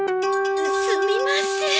すみません。